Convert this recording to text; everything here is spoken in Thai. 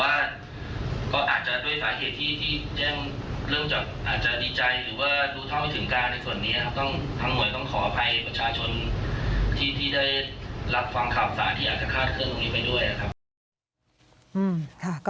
ต้องทั้งหมดต้องขออภัยประชาชนที่ที่ได้รับความขาบศาสตร์ที่อาจจะคาดเคลื่อนตรงนี้ไปด้วยครับ